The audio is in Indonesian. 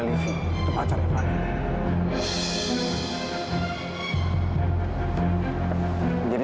itu kan fadil